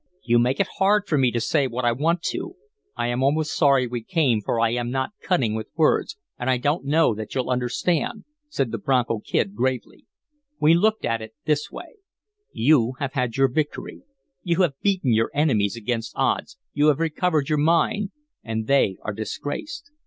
"You make it hard for me to say what I want to. I am almost sorry we came, for I am not cunning with words, and I don't know that you'll understand," said the Bronco Kid, gravely, "We looked at it this way: you have had your victory, you have beaten your enemies against odds, you have recovered your mine, and they are disgraced.